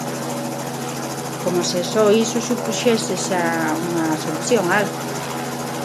Como se só iso supuxese xa unha solución a algo.